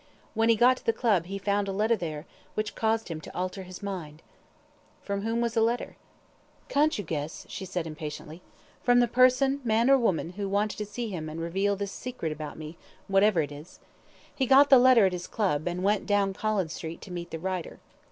When he got to the Club, he found a letter there, which caused him to alter his mind." "From whom was the letter?" "Can't you guess," she said impatiently. "From the person, man or woman, who wanted to see him and reveal this secret about me, whatever it is. He got the letter at his Club, and went down Collins Street to meet the writer.